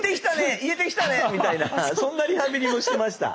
そんなリハビリもしてました。